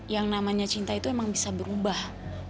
yang namanya cinta itu memang bisa berubah